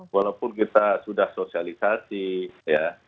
walaupun kita sudah sosialisasi ya